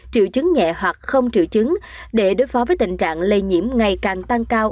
triệu chứng nhẹ hoặc không triệu chứng để đối phó với tình trạng lây nhiễm ngày càng tăng cao